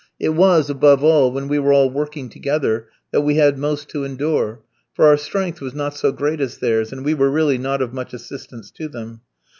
It was, above all, when we were all working together that we had most to endure, for our strength was not so great as theirs, and we were really not of much assistance to them.